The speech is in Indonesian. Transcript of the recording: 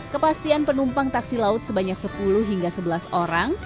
kepastian penumpang taksi laut sebanyak sepuluh hingga sebelas orang